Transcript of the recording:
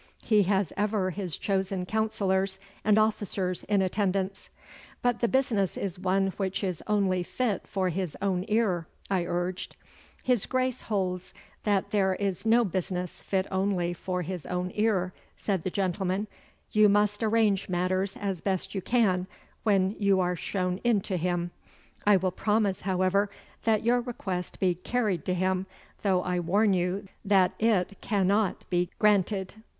'He has ever his chosen councillors and officers in attendance.' 'But the business is one which is only fit for his own ear,' I urged. 'His Grace holds that there is no business fit only for his own ear,' said the gentleman. 'You must arrange matters as best you can when you are shown in to him. I will promise, however, that your request be carried to him, though I warn you that it cannot be granted.